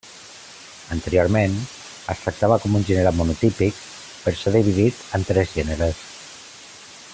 Anteriorment es tractava com un gènere monotípic però s'ha dividit en tres gèneres.